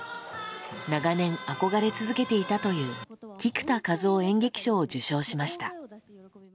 長年憧れ続けていたという菊田一夫演劇賞を受賞しました。